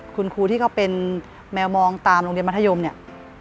คุณครูที่เขาเป็นแมวมองตามโรงเรียนมัธยมเนี่ย